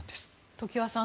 常盤さん